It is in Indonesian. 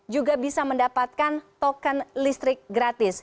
juga bisa mendapatkan token listrik gratis